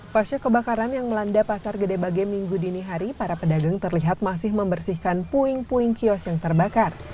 pasca kebakaran yang melanda pasar gede bage minggu dini hari para pedagang terlihat masih membersihkan puing puing kios yang terbakar